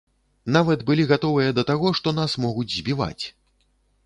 Нават былі гатовыя да таго, што нас могуць збіваць.